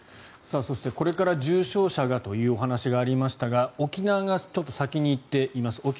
そして、これから重症者がというお話がありましたが沖縄が先に行っています。